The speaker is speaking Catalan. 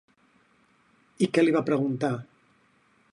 I què li va preguntar?